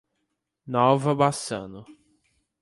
Nova Bassano